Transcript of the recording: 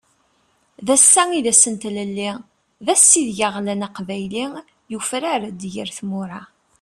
D ass-a i d ass n tlelli, d ass ideg aɣlan aqbayli, yufrar-d ger tmura.